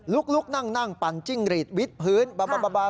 ลุกนั่งปั่นจิ้งหรีดวิดพื้น